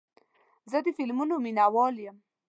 زه د فلمونو مینهوال یم.